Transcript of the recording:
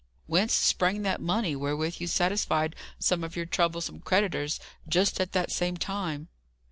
"Whence sprang that money wherewith you satisfied some of your troublesome creditors, just at that same time?"